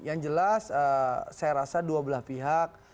yang jelas saya rasa dua belah pihak